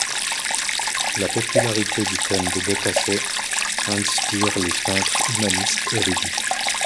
La popularité du thème de Boccace inspire les peintres humanistes érudits.